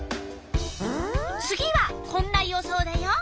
次はこんな予想だよ。